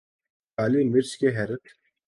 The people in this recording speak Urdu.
کالی مرچ کے حیرت